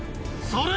それ！